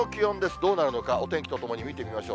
どうなるのか、お天気とともに見てみましょう。